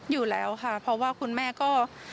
อยู่แล้วค่ะเพราะว่าคุณแม่ก็